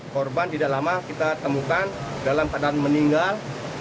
korban tidak lama kita temukan dalam keadaan meninggal